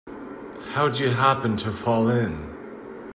How'd you happen to fall in?